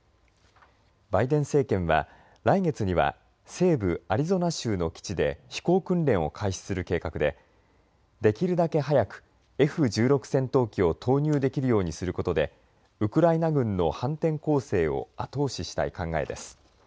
バイデン政権は来月には西部アリゾナ州の基地で飛行訓練を開始する計画でできるだけ早くＦ１６戦闘機を投入できるようにすることでウクライナ軍の反転攻勢を後押ししたい考えです。